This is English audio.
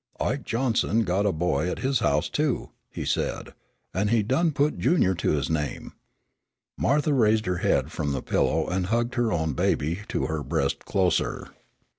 "Ike Johnson got a boy at his house, too," he said, "an' he done put Junior to his name." Martha raised her head from the pillow and hugged her own baby to her breast closer.